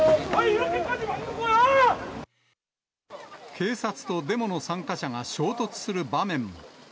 警察とデモの参加者が衝突する場面も。